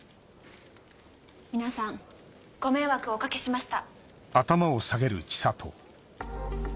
皆さんご迷惑をお掛けしました。